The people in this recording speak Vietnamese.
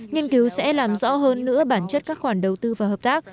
nghiên cứu sẽ làm rõ hơn nữa bản chất các khoản đầu tư và hợp tác